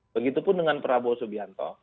begitupun dengan prabowo subianto